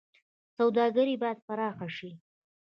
سوداګري باید پراخه شي